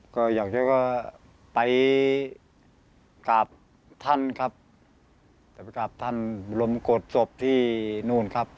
ก็อยากจะไปกราบท่านครับจะไปกราบท่านบรมกฏศพที่นู่นครับ